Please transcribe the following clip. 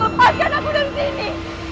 lepaskan aku dari sini